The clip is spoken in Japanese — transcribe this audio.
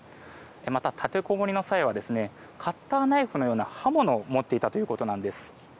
また、立てこもりの際はカッターナイフのような刃物を持っていたということなんです。